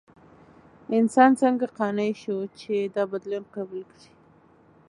انسان څنګه قانع شو چې دا بدلون قبول کړي؟